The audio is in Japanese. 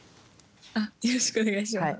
よろしくお願いします。